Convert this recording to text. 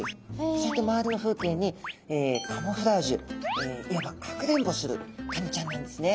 そうやって周りの風景にカモフラージュいわばかくれんぼするカニちゃんなんですね。